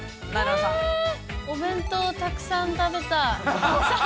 お弁当をたくさん食べた。